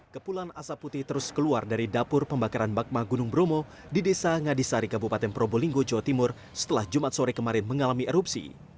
kepulan asap putih terus keluar dari dapur pembakaran bagma gunung bromo di desa ngadisari kabupaten probolinggo jawa timur setelah jumat sore kemarin mengalami erupsi